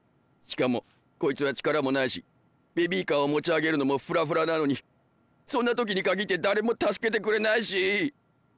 しかもこいつは力もないしベビーカーを持ち上げるのもフラフラなのにそんな時にかぎって誰も助けてくれないし。